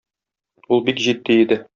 Ул бик җитди иде.